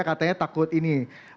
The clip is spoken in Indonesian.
katanya takut ini